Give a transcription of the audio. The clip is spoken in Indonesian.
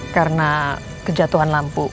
karena kejatuhan lampu